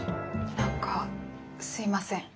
何かすいません。